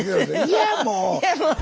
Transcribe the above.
いやもう。